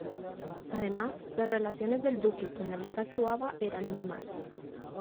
Además, las relaciones del duque con la Liga Suaba eran muy malas.